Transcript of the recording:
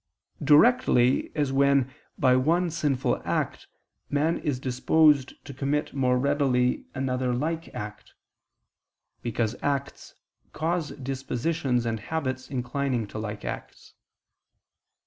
Directly, as when, by one sinful act, man is disposed to commit more readily another like act: because acts cause dispositions and habits inclining to like acts.